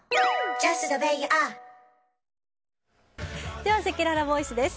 では、せきららボイスです。